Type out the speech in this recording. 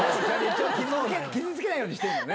傷つけないようにしてるのね。